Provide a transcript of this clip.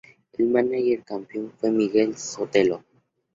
El mánager campeón fue Miguel Sotelo.